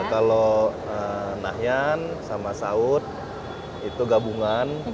kalau nahyan sama saud itu gabungan